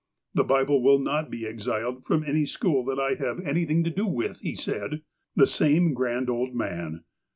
"The Bible will not be exiled from any school that I have anything to do with," he said. The same grand old man